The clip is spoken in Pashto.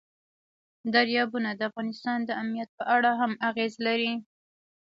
دریابونه د افغانستان د امنیت په اړه هم اغېز لري.